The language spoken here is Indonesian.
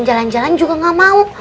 jalan jalan juga gak mau